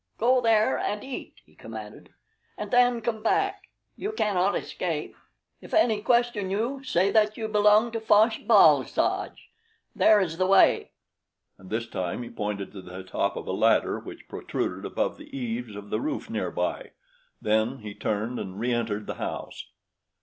"Go there and eat," he commanded, "and then come back. You cannot escape. If any question you, say that you belong to Fosh bal soj. There is the way." And this time he pointed to the top of a ladder which protruded above the eaves of the roof near by. Then he turned and reentered the house.